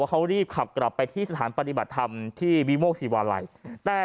เขารีบขับกลับไปที่สถานปฏิบัติธรรมที่วิโมกศิวาลัยแต่